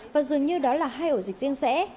và dường như đó là hai ổ dịch riêng rẽ